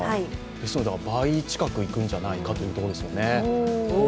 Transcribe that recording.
ですので倍近くいくんじゃないかというところですよね。